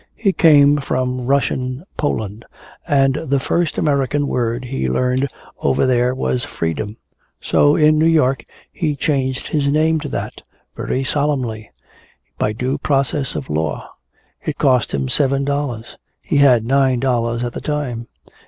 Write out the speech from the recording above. He came from Russian Poland and the first American word he learned over there was 'freedom.' So in New York he changed his name to that very solemnly, by due process of law. It cost him seven dollars. He had nine dollars at the time.